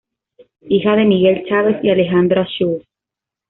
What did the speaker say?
Hija de Miguel Chaves y Alejandra Schulz.